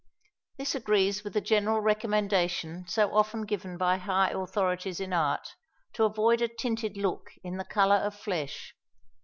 This agrees with the general recommendation so often given by high authorities in art, to avoid a tinted look in the colour of flesh.